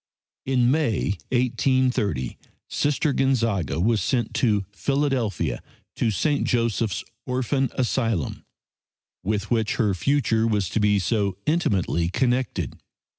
In May, 1830, Sister Gonzaga was sent to Philadelphia to St. Joseph's Orphan Asylum, with which her future was to be so intimately connected.